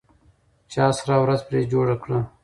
چا سره ورځ پرې جوړه کړه؟